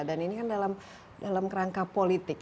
dan ini kan dalam kerangka politik